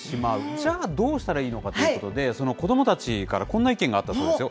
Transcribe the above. じゃあ、どうしたらいいのかということで、子どもたちからこんな意見があったそうですよ。